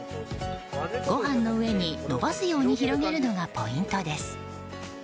ご飯の上に延ばすように広げるのがポイントです。